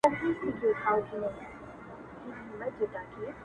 • هم په رنگ هم په اخلاق وو داسي ښکلی,